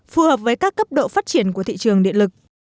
phù hợp với các cấp độ phát triển của thị trường điện lực